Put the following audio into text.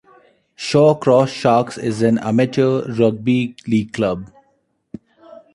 Shaw Cross Sharks is an amateur Rugby League club.